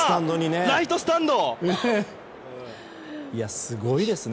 ライトスタンド！